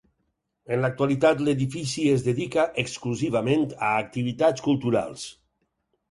En l'actualitat l'edifici es dedica exclusivament a activitats culturals.